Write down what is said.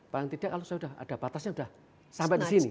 paling tidak kalau saya sudah ada batasnya sudah sampai di sini